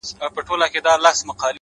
• د اوبو وږي نهنگ یوه گوله کړ,